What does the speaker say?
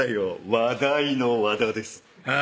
「話題の和田です」